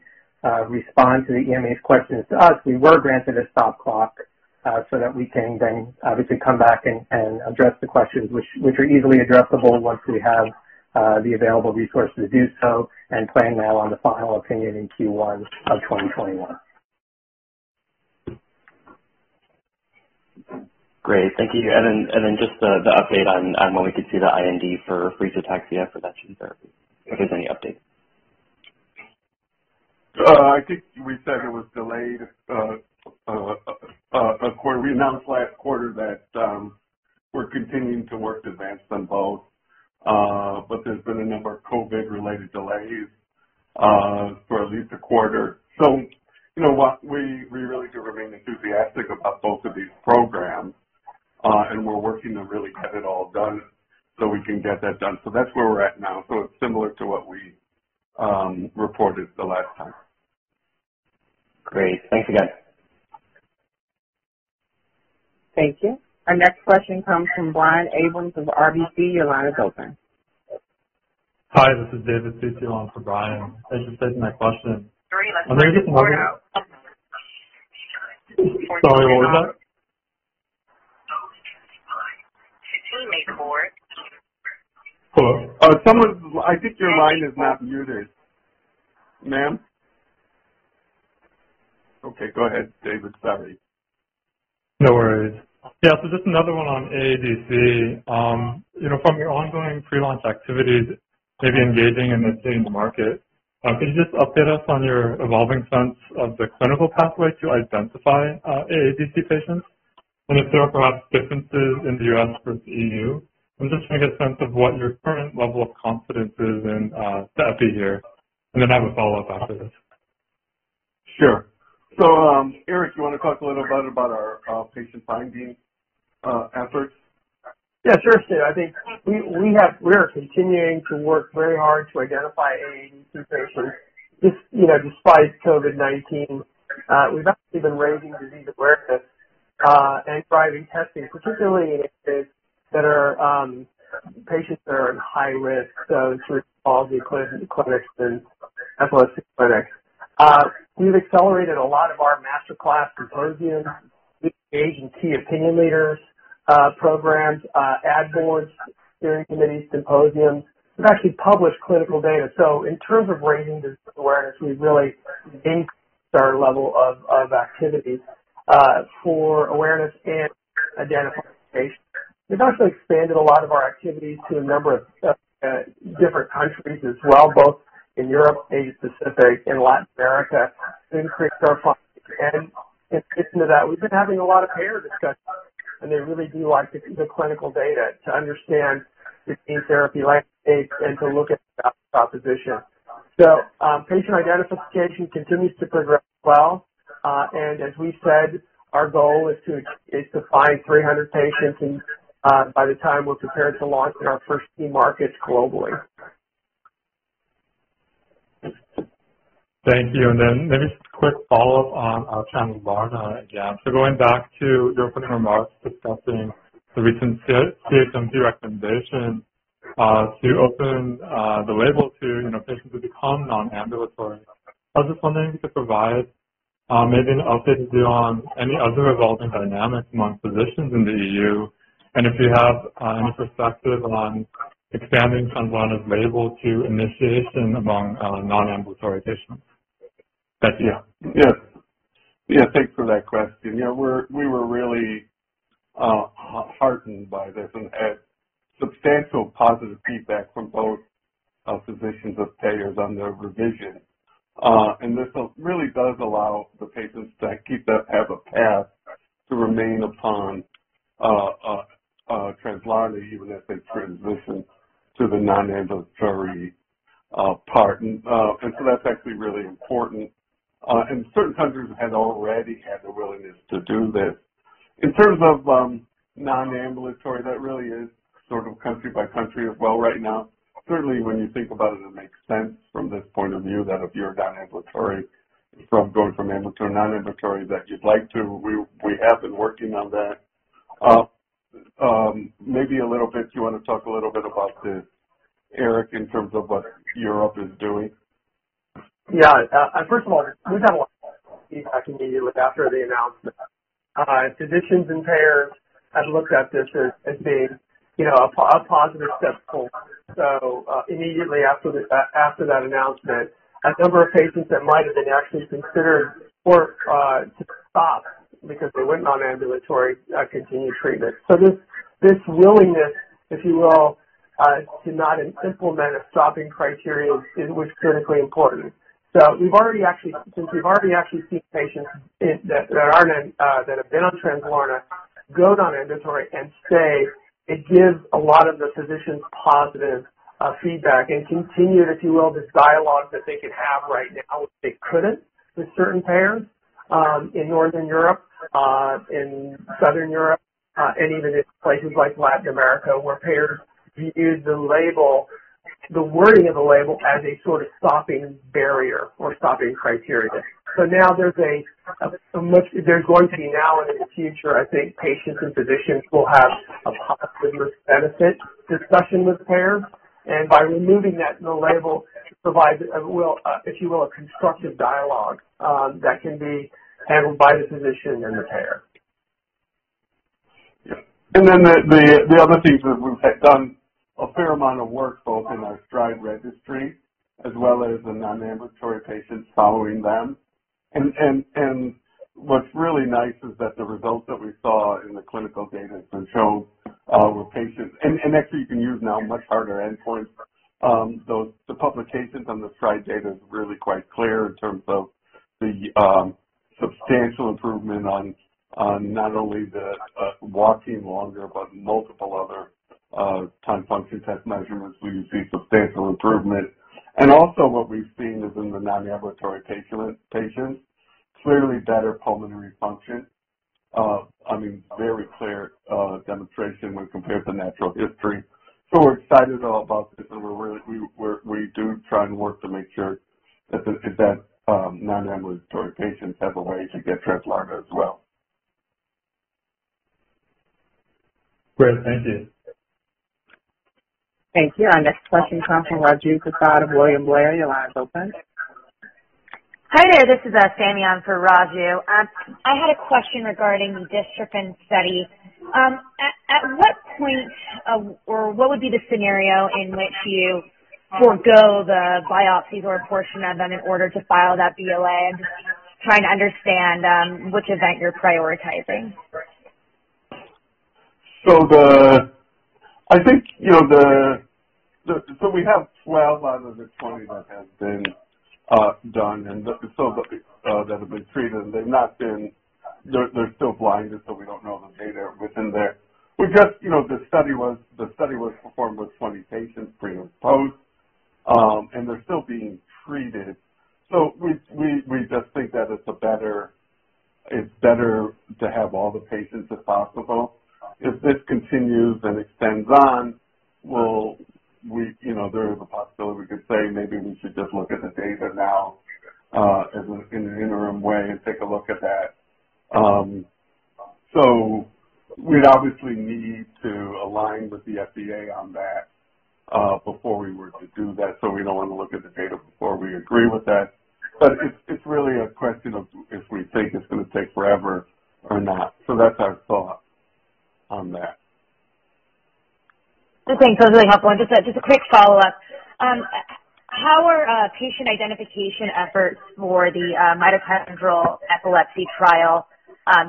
respond to the EMA's questions to us, we were granted a stop clock so that we can then obviously come back and address the questions, which are easily addressable once we have the available resources to do so and plan now on the final opinion in Q1 of 2021. Great. Thank you. Just the update on when we could see the IND for Friedreich ataxia prevention therapy, if there's any update. I think we said it was delayed. We announced last quarter that we're continuing to work to advance them both. There's been a number of COVID-related delays for at least a quarter. We really do remain enthusiastic about both of these programs. We're working to really get it all done so we can get that done. That's where we're at now. It's similar to what we reported the last time. Great. Thanks again. Thank you. Our next question comes from Brian Abrahams of RBC. Your line is open. Hi, this is David Suciu on for Brian. Thanks for taking my question. Sorry, what was that? Hello? I think your line is not muted, ma'am. Okay, go ahead, David. Sorry. No worries. Just another one on AADC. From your ongoing pre-launch activities, maybe engaging in the gene market, can you just update us on your evolving sense of the clinical pathway to identify AADC patients and if there are perhaps differences in the U.S. versus EU? I'm just trying to get a sense of what your current level of confidence is in that be here. I have a follow-up after this. Sure. Eric, you want to talk a little bit about our patient finding efforts? Yeah, sure. I think we are continuing to work very hard to identify AADC patients. Despite COVID-19, we've actually been raising disease awareness and driving testing, particularly in patients that are in high risk. Through neurology clinics and epilepsy clinics. We've accelerated a lot of our master class symposiums with agency opinion leaders programs, ad boards, steering committees, symposiums. We've actually published clinical data. In terms of raising disease awareness, we've really increased our level of activities for awareness and identification. We've also expanded a lot of our activities to a number of different countries as well, both in Europe, Asia Pacific, and Latin America. In addition to that, we've been having a lot of payer discussions, and they really do like to see the clinical data to understand the gene therapy landscape and to look at the value proposition. Patient identification continues to progress well. As we said, our goal is to find 300 patients by the time we're prepared to launch in our first few markets globally. Thank you. Maybe just a quick follow-up on Translarna again. Going back to your opening remarks discussing the recent CHMP recommendation to open the label to patients who become non-ambulatory. I was just wondering if you could provide maybe an update to you on any other evolving dynamics among physicians in the EU, and if you have any perspective on expanding Translarna's label to initiation among non-ambulatory patients. Yeah. Thanks for that question. We were really heartened by this and had substantial positive feedback from both physicians of payers on their revision. This really does allow the patients to have a path to remain upon Translarna even as they transition to the non-ambulatory part. That's actually really important. Certain countries had already had the willingness to do this. In terms of non-ambulatory, that really is sort of country by country as well right now. Certainly, when you think about it makes sense from this point of view that if you're non-ambulatory, from going from ambulatory to non-ambulatory, that you'd like to. We have been working on that. Maybe a little bit, do you want to talk a little bit about this, Eric, in terms of what Europe is doing. Yeah. First of all, we've had a lot of feedback immediately after the announcement. Physicians and payers have looked at this as being a positive step forward. Immediately after that announcement, a number of patients that might have been actually considered to stop because they were non-ambulatory continued treatment. This willingness, if you will, to not implement a stopping criteria was critically important. Since we've already actually seen patients that have been on Translarna go non-ambulatory and stay, it gives a lot of the physicians positive feedback and continue, if you will, this dialogue that they could have right now, they couldn't with certain payers in Northern Europe, in Southern Europe, and even in places like Latin America, where payers use the wording of the label as a sort of stopping barrier or stopping criteria. There's going to be now and in the future, I think patients and physicians will have a positive benefit discussion with payers. By removing that in the label provides, if you will, a constructive dialogue that can be handled by the physician and the payer. Yeah. The other piece is we've done a fair amount of work both in our STRIDE registry as well as the non-ambulatory patients following them. What's really nice is that the results that we saw in the clinical data have been shown with patients, and actually you can use now much harder endpoints. The publications on the trial data is really quite clear in terms of the substantial improvement on not only the walking longer, but multiple other time function test measurements where you see substantial improvement. What we've seen is in the non-ambulatory patients, clearly better pulmonary function. I mean, very clear demonstration when compared to natural history. We're excited about this and we do try and work to make sure that non-ambulatory patients have a way to get Translarna as well. Great. Thank you. Thank you. Our next question comes from Raju Prasad of William Blair. Your line is open. Hi there. This is Sami on for Raju. I had a question regarding the dystrophin study. At what point or what would be the scenario in which you forego the biopsies or a portion of them in order to file that BLA? I'm trying to understand which event you're prioritizing. We have 12 out of the 20 that have been done and that have been treated, and they're still blinded, so we don't know the data within there. The study was performed with 20 patients pre- and post-, and they're still being treated. We just think that it's better to have all the patients if possible. If this continues and extends on, there is a possibility we could say maybe we should just look at the data now in an interim way and take a look at that. We'd obviously need to align with the FDA on that before we were to do that. We don't want to look at the data before we agree with that. It's really a question of if we think it's going to take forever or not. That's our thought on that. Okay. That was really helpful. Just a quick follow-up. How are patient identification efforts for the mitochondrial epilepsy trial,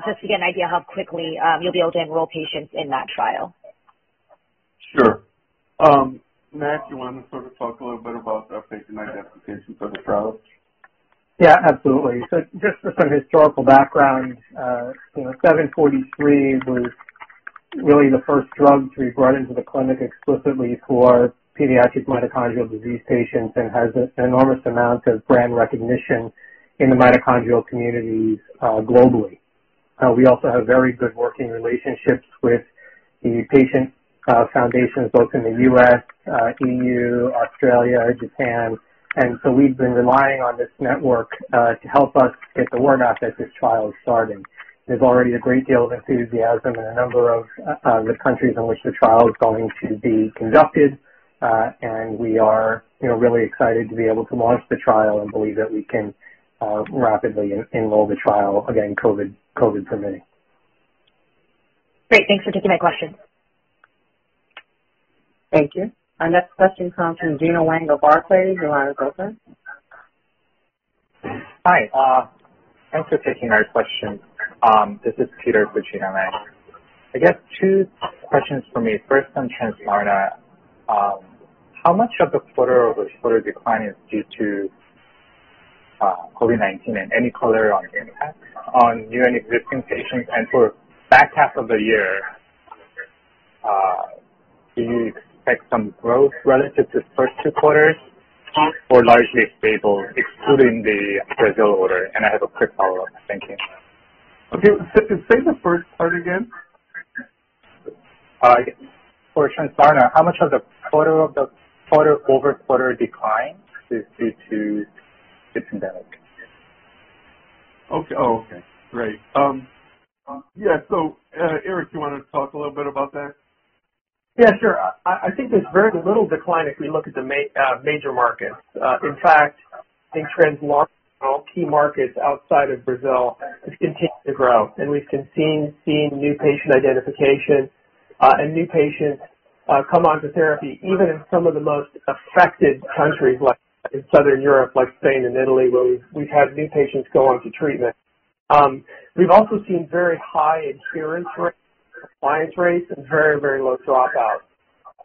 just to get an idea how quickly you will be able to enroll patients in that trial? Sure. Matt, you want to sort of talk a little bit about patient identification for the trial? Yeah, absolutely. Just for some historical background, PTC743 was really the first drug to be brought into the clinic explicitly for pediatric mitochondrial disease patients and has an enormous amount of brand recognition in the mitochondrial communities globally. We also have very good working relationships with the patient foundations both in the U.S., EU, Australia, Japan, and so we've been relying on this network to help us get the word out that this trial is starting. There's already a great deal of enthusiasm in a number of the countries in which the trial is going to be conducted. We are really excited to be able to launch the trial and believe that we can rapidly enroll the trial, again, COVID permitting. Great. Thanks for taking my question. Thank you. Our next question comes from Gena Wang of Barclays. You want to go ahead? Hi. Thanks for taking our question. This is Peter for Gena Wang. I guess two questions from me. First, on Translarna. How much of the quarter-over-quarter decline is due to COVID-19, and any color on impact on new and existing patients? For back half of the year, do you expect some growth relative to the first two quarters or largely stable excluding the Brazil order? I have a quick follow-up. Thank you. Okay. Say the first part again. For Translarna, how much of the quarter-over-quarter decline is due to this pandemic? Oh, okay. Great. Yeah. Eric, you want to talk a little bit about that? Yeah, sure. I think there's very little decline if we look at the major markets. In fact, I think Translarna in all key markets outside of Brazil has continued to grow, and we've continued seeing new patient identification, and new patients come onto therapy even in some of the most affected countries like in Southern Europe, like Spain and Italy, where we've had new patients go onto treatment. We've also seen very high adherence rates, compliance rates, and very low drop-outs.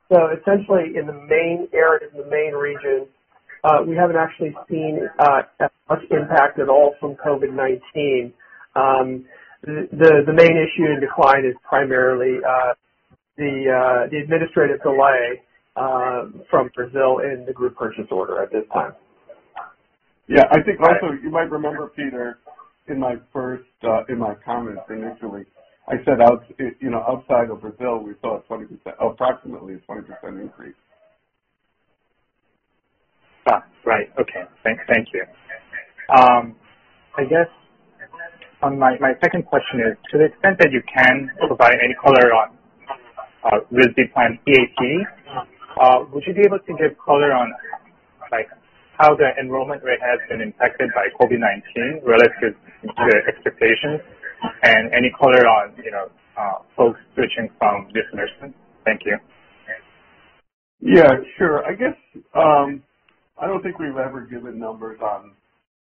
Essentially, in the main areas, in the main regions, we haven't actually seen that much impact at all from COVID-19. The main issue in decline is primarily the administrative delay from Brazil in the group purchase order at this time. Yeah. I think also you might remember, Peter, in my comments initially, I said outside of Brazil, we saw approximately a 20% increase. Right. Okay. Thanks. Thank you. I guess my second question is, to the extent that you can provide any color on risdiplam EAP, would you be able to give color on how the enrollment rate has been impacted by COVID-19 relative to your expectations and any color on folks switching from ZOLGENSMA? Thank you. Yeah, sure. I guess, I don't think we've ever given numbers on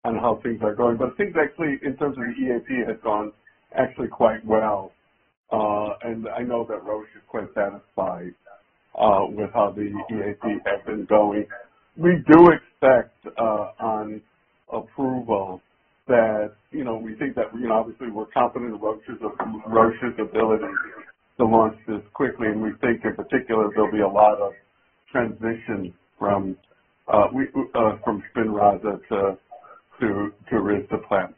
how things are going. Things actually, in terms of EAP, have gone actually quite well. I know that Roche is quite satisfied with how the EAP has been going. We do expect on approval that we think that obviously we're confident of Roche's ability to launch this quickly, and we think in particular, there'll be a lot of transition from SPINRAZA to risdiplam.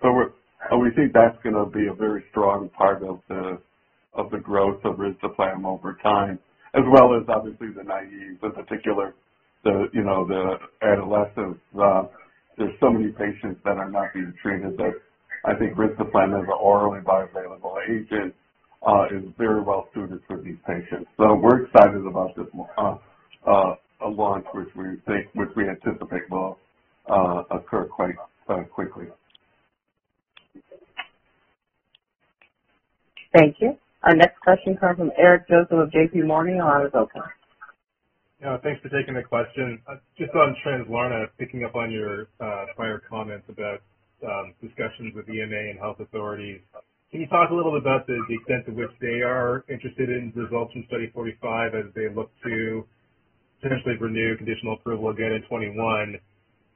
We think that's going to be a very strong part of the growth of risdiplam over time, as well as obviously the naive, in particular the adolescents. There's so many patients that are not being treated that I think risdiplam as an orally bioavailable agent is very well suited for these patients. We're excited about this launch, which we anticipate will occur quite quickly. Thank you. Our next question comes from Eric Joseph of JPMorgan. A lot of okay. Yeah, thanks for taking the question. Just on Translarna, picking up on your prior comments about discussions with EMA and health authorities. Can you talk a little about the extent to which they are interested in results from Study 45 as they look to potentially renew conditional approval again in 2021?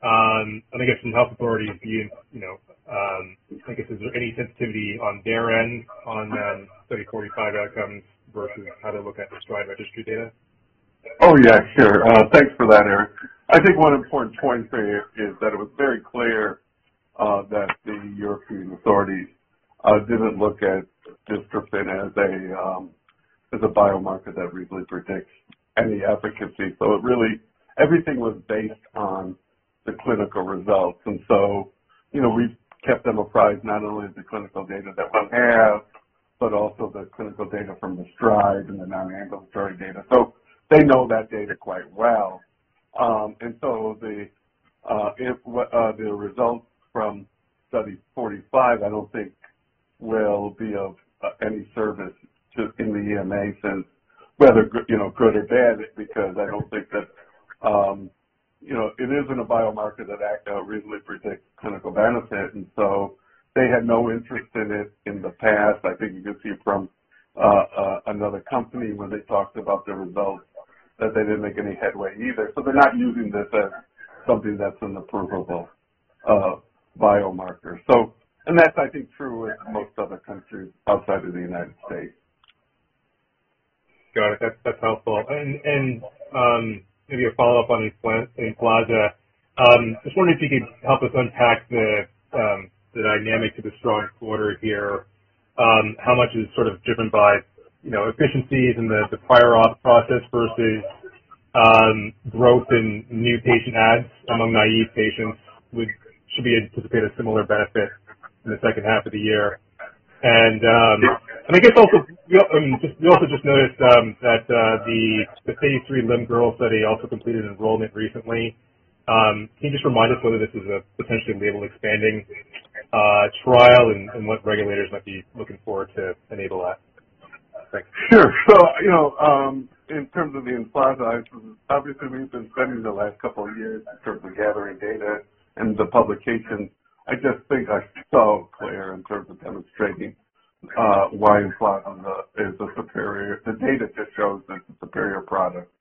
I think it's from health authorities view, I guess, is there any sensitivity on their end on Study 45 outcomes versus how to look at the STRIDE registry data? Oh, yeah. Sure. Thanks for that, Eric. I think one important point there is that it was very clear that the European authorities didn't look at dystrophin as a biomarker that reasonably predicts any efficacy. Really, everything was based on the clinical results. We've kept them apprised not only of the clinical data that we have, but also the clinical data from the STRIDE and the non-ambulatory data. They know that data quite well. The results from Study 45, I don't think will be of any service in the EMA sense, whether good or bad, because I don't think that it isn't a biomarker that I'd go reasonably predict clinical benefit. They had no interest in it in the past. I think you could see from another company when they talked about their results that they didn't make any headway either. They're not using this as something that's an approvable biomarker. That's, I think, true with most other countries outside of the United States. Got it. That's helpful. Maybe a follow-up on Inclasa. Just wondering if you could help us unpack the dynamic to the strong quarter here. How much is sort of driven by efficiencies in the prior auth process versus growth in new patient adds among naive patients? We should be able to anticipate a similar benefit in the second half of the year. I guess also, we also just noticed that the phase III limb-girdle study also completed enrollment recently. Can you just remind us whether this is a potentially label expanding trial and what regulators might be looking for to enable that. Thanks. Sure. In terms of the Emflaza, obviously we've been spending the last couple of years in terms of gathering data, and the publications, I just think are so clear in terms of demonstrating why Emflaza is the superior. The data just shows that it's a superior product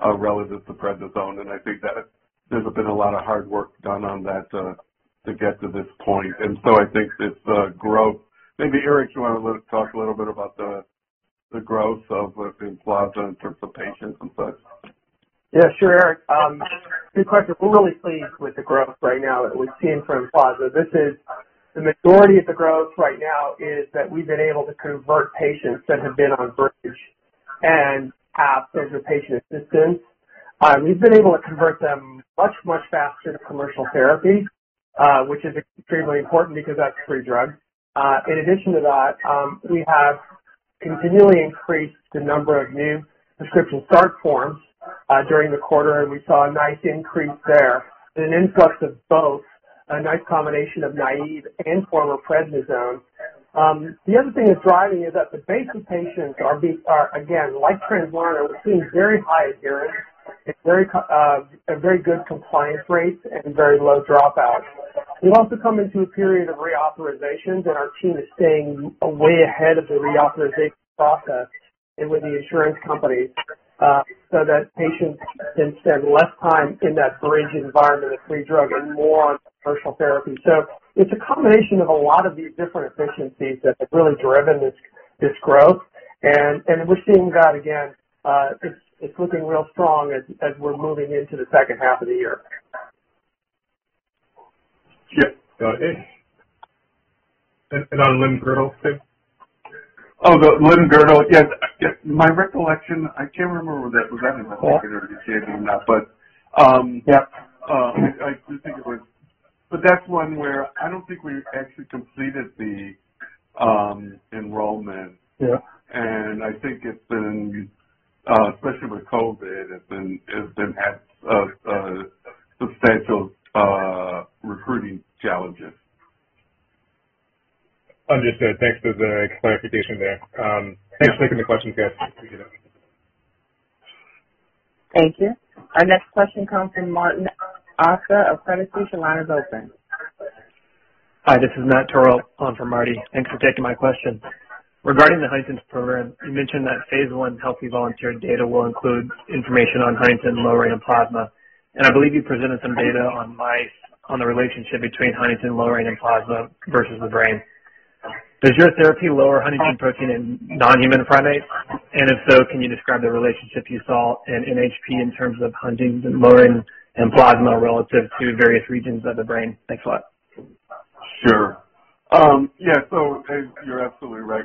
relative to prednisone, and I think that there's been a lot of hard work done on that to get to this point. I think this growth. Maybe, Eric, do you want to talk a little bit about the growth of Emflaza in terms of patients and such? Yeah, sure, Eric. Good question. We're really pleased with the growth right now that we've seen from EMFLAZA. The majority of the growth right now is that we've been able to convert patients that have been on bridge and have patient assistance. We've been able to convert them much, much faster to commercial therapy, which is extremely important because that's free drug. In addition to that, we have continually increased the number of new prescription start forms during the quarter, and we saw a nice increase there and an influx of both, a nice combination of naive and former prednisone. The other thing that's driving it is that the base of patients are, again, like Translarna, we're seeing very high adherence and very good compliance rates and very low dropouts. We've also come into a period of reauthorizations, and our team is staying way ahead of the reauthorization process and with the insurance companies, so that patients can spend less time in that bridge environment of free drug and more on commercial therapy. It's a combination of a lot of these different efficiencies that have really driven this growth. We're seeing that again. It's looking real strong as we're moving into the second half of the year. Yeah. Got it. On limb-girdle too? Oh, the limb-girdle. Yes. My recollection, I can't remember whether that was on the call or the Q&A or not. Yep I do think it was. That's one where I don't think we actually completed the enrollment. Yeah. I think it's been, especially with COVID, it's been substantial recruiting challenges. Understood. Thanks for the clarification there. Thanks for taking the questions, guys. Appreciate it. Thank you. Our next question comes from Martin Auster of Credit Suisse. Your line is open. Hi, this is Matt Toro, on for Marty. Thanks for taking my question. Regarding the Huntington's program, you mentioned that phase I healthy volunteer data will include information on Huntingtin lowering in plasma, and I believe you presented some data on mice on the relationship between Huntingtin lowering in plasma versus the brain. Does your therapy lower Huntingtin protein in non-human primates? If so, can you describe the relationship you saw in NHP in terms of Huntingtin lowering in plasma relative to various regions of the brain? Thanks a lot. Sure. Yeah. You're absolutely right.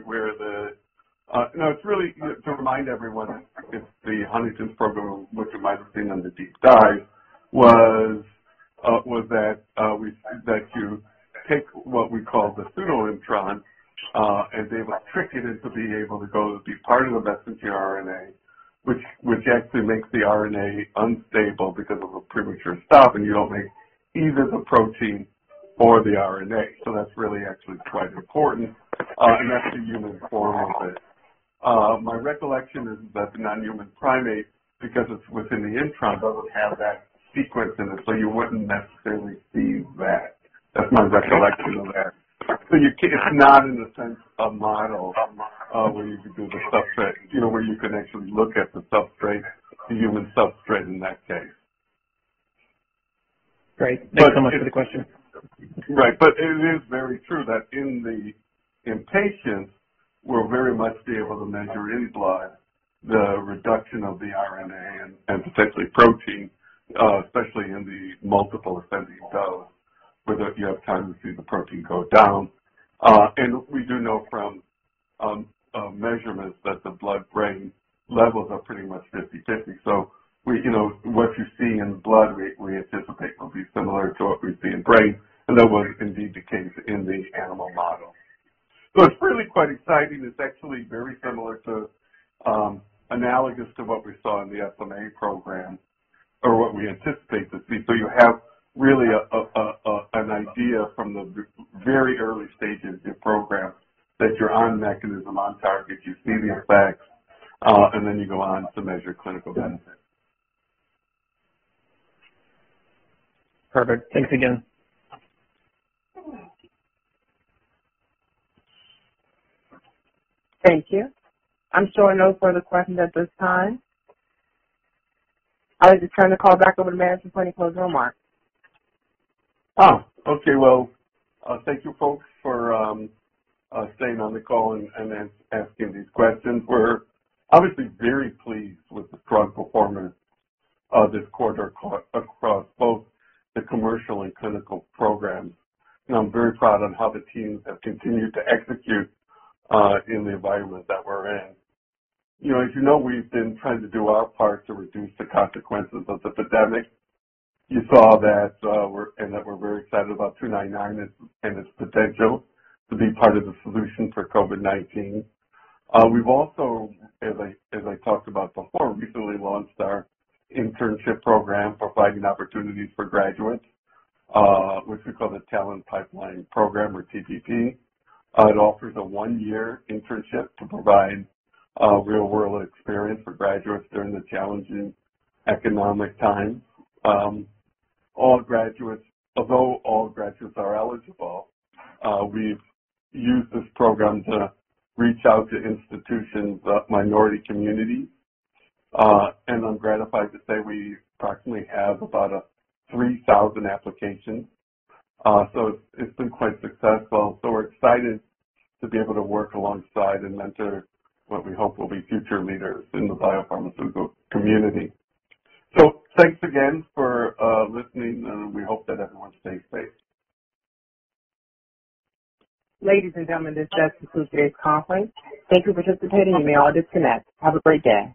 To remind everyone, it's the Huntington's program, which you might have seen on the deep dive, was that you take what we call the pseudoexon, and be able to trick it into being able to go be part of a messenger RNA, which actually makes the RNA unstable because of a premature stop, and you don't make either the protein or the RNA. That's really actually quite important, and that's the human form of it. My recollection is that the non-human primate, because it's within the intron, doesn't have that sequence in it, so you wouldn't necessarily see that. That's my recollection of that. It's not in the sense a model, where you could do the substrate, where you can actually look at the substrate, the human substrate in that case. Great. Thanks so much for the question. Right. It is very true that in the patients, we'll very much be able to measure in blood the reduction of the RNA and potentially protein, especially in the multiple ascending dose, whether you have time to see the protein go down. We do know from measurements that the blood-brain levels are pretty much 50/50. What you see in blood, we anticipate will be similar to what we see in brain, and that was indeed the case in the animal model. It's really quite exciting. It's actually very similar to, analogous to what we saw in the SMA program or what we anticipate to see. You have really an idea from the very early stages of the program that you're on mechanism, on target, you see the effects, and then you go on to measure clinical benefit. Perfect. Thanks again. Thank you. I'm showing no further questions at this time. I will just turn the call back over to management for any closing remarks. Oh, okay. Well, thank you folks for staying on the call and asking these questions. We're obviously very pleased with the strong performance of this quarter across both the commercial and clinical programs, and I'm very proud on how the teams have continued to execute in the environment that we're in. As you know, we've been trying to do our part to reduce the consequences of the pandemic. You saw that, and that we're very excited about PTC299 and its potential to be part of the solution for COVID-19. We've also, as I talked about before, recently launched our internship program for providing opportunities for graduates, which we call the Talent Pipeline Program or TPP. It offers a one-year internship to provide real-world experience for graduates during the challenging economic times. Although all graduates are eligible, we've used this program to reach out to institutions, minority communities, and I'm gratified to say we approximately have about 3,000 applications. It's been quite successful. We're excited to be able to work alongside and mentor what we hope will be future leaders in the biopharmaceutical community. Thanks again for listening, and we hope that everyone stays safe. Ladies and gentlemen, this does conclude today's conference. Thank you for participating, and you may all disconnect. Have a great day.